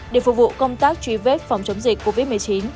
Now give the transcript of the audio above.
để phục vụ công tác truy vết phòng chống dịch covid một mươi chín